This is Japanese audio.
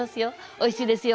おいしいですよ！